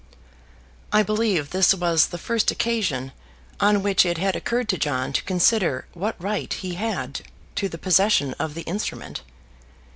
I believe this was the first occasion on which it had occurred to John to consider what right he had to the possession of the instrument.